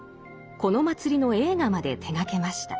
この祭りの映画まで手がけました。